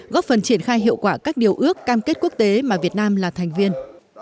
góp phần triển khai hiệu quả các điều ước cam kết quốc tế mà việt nam là thành viên